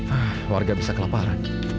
ah warga bisa kelaparan